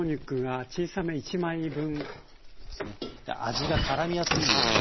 味がからみやすいように。